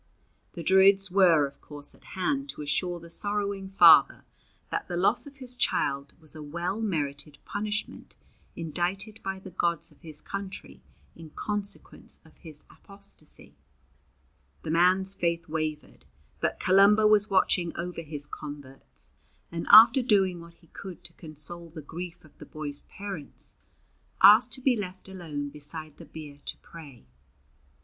The Druids were of course at hand to assure the sorrowing father that the loss of his child was a well merited punishment indicted by the gods of his country in consequence of his apostasy. The man's faith wavered, but Columba was watching over his converts; and after doing what he could to console the grief of the boy's parents, asked to be left alone beside the bier to pray.